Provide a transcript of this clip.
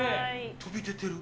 飛び出てる。